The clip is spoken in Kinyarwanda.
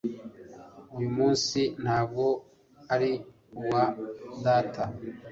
Uyu munsi ntabwo ari uwa data